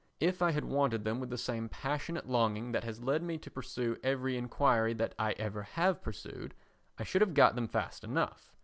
If I had wanted them with the same passionate longing that has led me to pursue every enquiry that I ever have pursued, I should have got them fast enough.